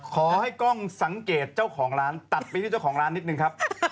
ขอให้กล้องสังเกตเจ้าของร้านตัดไปที่เจ้าของร้านนิดนึงครับ